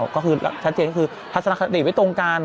ก็คือชัดเจนคือฮัศติกตริไปตรงกัน